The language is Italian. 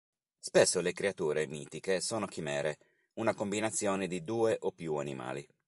Spesso le creature mitiche sono chimere, una combinazione di due o più animali.